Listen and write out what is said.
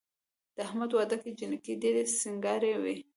د احمد واده کې جینکۍ ډېرې سینګار وې.